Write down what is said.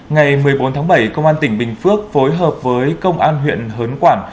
ngày một mươi bốn tháng bảy công an tỉnh bình phước phối hợp với công an huyện hớn quản